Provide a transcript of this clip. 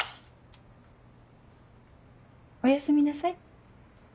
おやすみなさい。